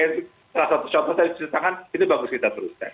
jadi salah satu contoh saya ceritakan itu bagus kita teruskan